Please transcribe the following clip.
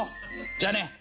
じゃあね」。